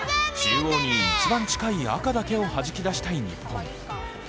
中央に一番近い赤だけをはじき出したい日本。